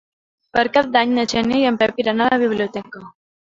Per Cap d'Any na Xènia i en Pep iran a la biblioteca.